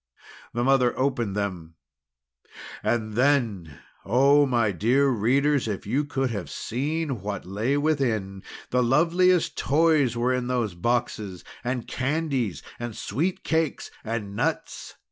The mother opened them and then oh, my dear readers, if you could have seen what lay within! The loveliest toys were in those boxes! and candies, and sweet cakes, and nuts!